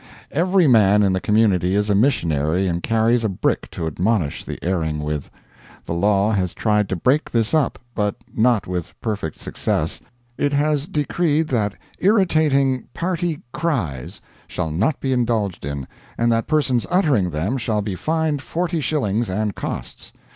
Every man in the community is a missionary and carries a brick to admonish the erring with. The law has tried to break this up, but not with perfect success. It has decreed that irritating "party cries" shall not be indulged in, and that persons uttering them shall be fined forty shillings and costs.